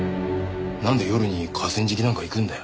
なんで夜に河川敷なんか行くんだよ。